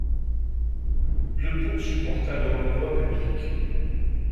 Le pont supporte alors une voie publique.